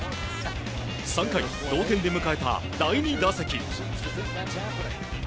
３回、同点で迎えた第２打席。